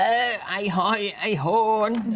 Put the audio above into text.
ไอ้หอยไอ้โหน